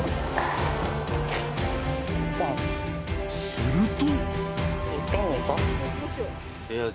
［すると］